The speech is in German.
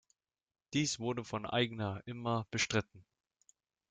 Dies wurde von Aigner immer bestritten.